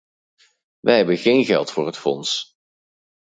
Wij hebben geen geld voor het fonds.